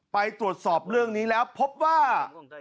ไปตรวจสอบเรื่องนี้แล้วพบว่า